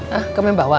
hah kamu yang bawa